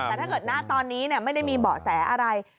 แต่ถ้าเกิดหน้าตอนนี้ไม่ได้มีเบาะแสอะไร